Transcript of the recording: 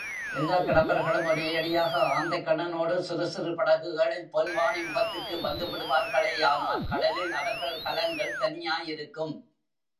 எல்லாக் கடம்பர்களும் ஒரேயடியாக ஆந்தைக்கண்ணனோடு சிறுசிறு படகுகளில் பொன்வானி முகத்துக்கு வந்துவிடுவார்களேயானால் கடலில் அவர்கள் கலங்கள் தனியாயிருக்கும்.